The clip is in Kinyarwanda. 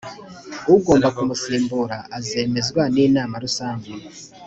Ugomba kumusimbura azemezwa n Inama Rusange